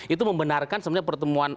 itu membenarkan pertemuan